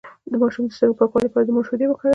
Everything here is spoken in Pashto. د ماشوم د سترګو د پاکوالي لپاره د مور شیدې وکاروئ